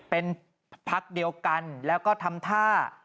เป็นพักเดียวกันแล้วก็ทำท่า